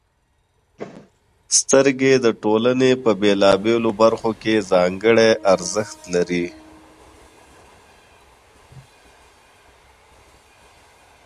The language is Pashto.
• سترګې د ټولنې په بېلابېلو برخو کې ځانګړې ارزښت لري.